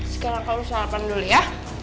sekarang kamu sarapan dulu ya